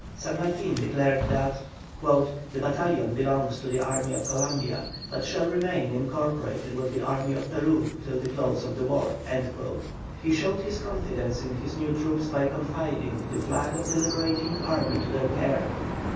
San Martin declared that "the battalion belongs to the army of Columbia, but shall remain incorporated with the army of Peru till the close of the war." He showed his confidence in his new troops by confiding the flag of the Liberating army to their care.